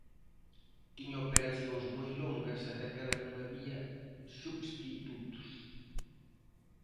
Tiña operacións moi longas e daquela non había substitutos.